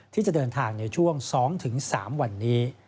ที่จะเดินทางในช่วง๒๓วันนี้